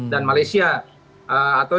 dan malaysia atau